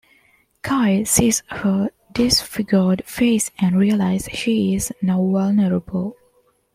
Kyle sees her disfigured face and realizes she is now vulnerable.